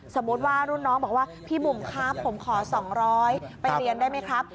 สมมุติว่ารุ่นน้องบอกว่าพี่บุ๋มครับผมขอ๒๐๐ไปเรียนได้ไหมครับ